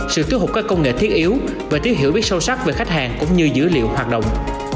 sự tiết hụt các công nghệ thiết yếu và thiếu hiểu biết sâu sắc về khách hàng cũng như dữ liệu hoạt động